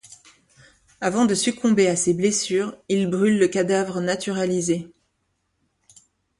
Avant de succomber à ses blessures, il brûle le cadavre naturalisé.